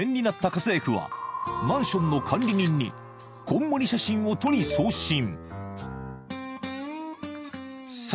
家政婦はマンションの管理人にこんもり写真を撮り送信